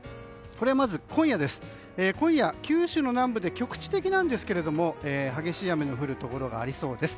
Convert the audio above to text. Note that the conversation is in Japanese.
まず今夜、九州南部で局地的ですが激しい雨が降るところがありそうです。